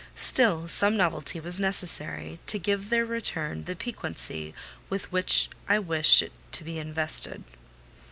Still some novelty was necessary, to give to their return the piquancy with which I wished it to be invested.